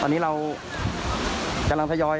ตอนนี้เรากำลังทยอย